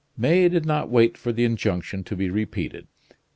May did not wait for the injunction to be repeated.